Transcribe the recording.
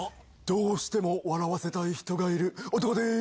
どうしても笑わせたい人がいる男でーす。